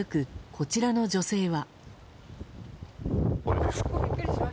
こちらの女性は。